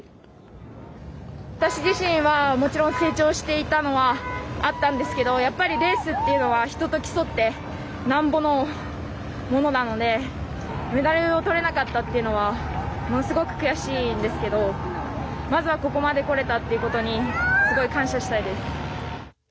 私自身はもちろんもちろん成長していたのはあったんですけどやっぱりレースというのは人と競って何ぼのものなのでメダルを取れなかったというのはものすごく悔しいんですけどまずは、ここまで来れたっていうことにすごい感謝したいです。